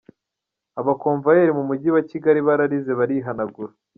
Abakomvuwayeri mu mujyi wa Kigali bararize barihanagura.